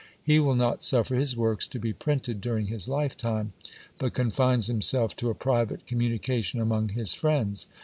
He will not suffer his works to be printed during his life time ; but confines himself to a private communication among his friends.